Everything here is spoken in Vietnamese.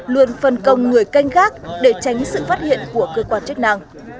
luôn phân công người canh gác để tránh sự phát hiện của cơ quan chức năng